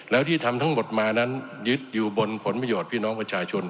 แล้วที่ทำทั้งหมดมานั้นยึดอยู่บนผลประโยชน์พี่น้องประชาชน